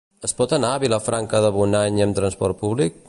Es pot anar a Vilafranca de Bonany amb transport públic?